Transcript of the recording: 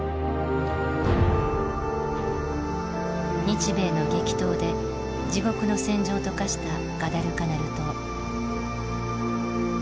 日米の激闘で地獄の戦場と化したガダルカナル島。